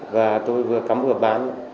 và tôi vừa cắm vừa bán